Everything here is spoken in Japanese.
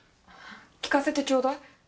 聞かせてちょうだい。